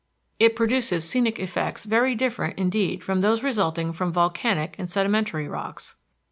It produces scenic effects very different indeed from those resulting from volcanic and sedimentary rocks.